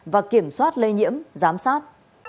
và kiểm soát lây nhiễm giám sát